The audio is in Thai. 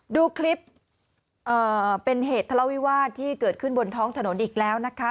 ดูคลิปเป็นเหตุทะเลาวิวาสที่เกิดขึ้นบนท้องถนนอีกแล้วนะคะ